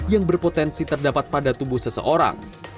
yang berpotensi terdapat pada tubuh seseorang